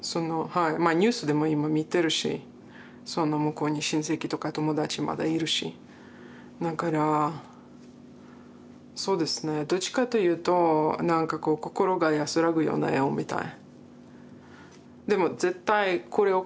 ニュースでも今見てるしその向こうに親戚とか友達まだいるしだからそうですねどっちかというとなんかこう心が安らぐような絵を見たい。